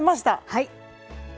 はい。